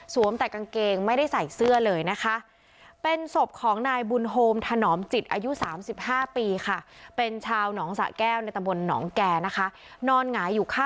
สวมแต่กางเกง